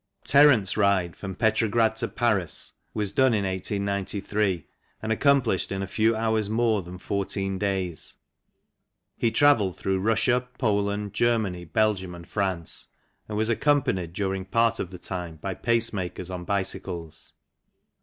Terront's ride from Petrograd to Paris was done in 1893, and accomplished in a few hours more than four teen days. He travelled through Russia, Poland, Germany, Belgium, and France, and was accompanied 102 PIONEER RIDES 103 during part of the time by pacemakers on bicycles.